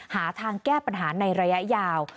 หาทางแก้ปัญหาในระยะยาว